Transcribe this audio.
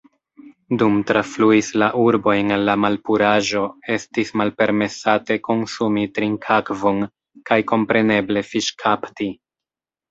Dum trafluis la urbojn la malpuraĵo, estis malpermesate konsumi trinkakvon kaj kompreneble fiŝkapti.